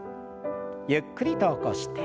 ゆっくりと起こして。